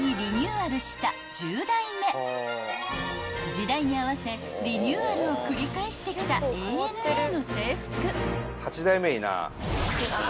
［時代に合わせリニューアルを繰り返してきたＡＮＡの制服］